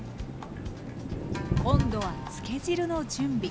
今度は漬け汁の準備。